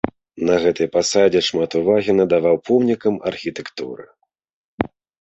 На гэтай пасадзе шмат увагі надаваў помнікам архітэктуры.